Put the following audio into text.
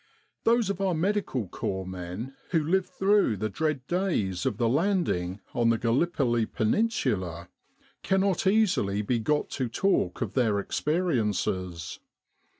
Those of our Medical Corps men who lived through the dread days of the landing on the Gallipoli Peninsula, cannot easily be got to talk of their experiences.